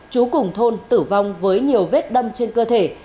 chú cùng thôn tử vong với nhiều vết đâm trên cơ thể